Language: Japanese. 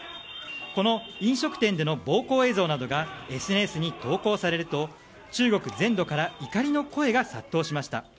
この飲食店での暴行映像などがＳＮＳに投稿されると中国全土から怒りの声が殺到しました。